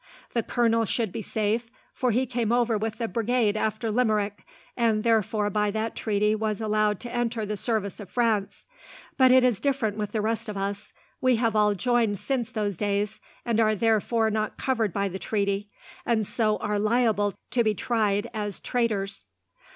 The colonel should be safe, for he came over with the Brigade after Limerick, and therefore by that treaty was allowed to enter the service of France; but it is different with the rest of us. We have all joined since those days, and are therefore not covered by the treaty, and so are liable to be tried as traitors."